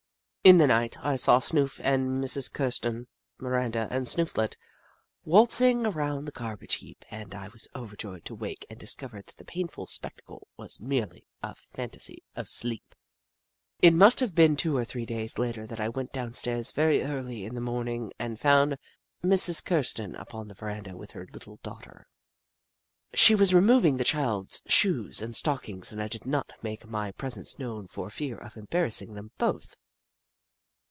In the night, I saw Snoof and Mrs. Kirsten, Miranda and Snooflet, waltzing around the garbage heap, and I was overjoyed to wake and discover that the painful spectacle was merely a fantasy of sleep. It must have been two or three days later that I went downstairs very early in the morn ing and found Mrs. Kirsten upon the veranda with her little daughter. She was removing the child's shoes and stockings, and I did not make my presence known for fear of embar rassing them both.